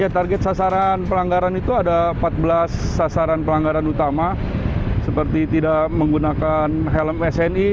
target sasaran pelanggaran itu ada empat belas sasaran pelanggaran utama seperti tidak menggunakan helm sni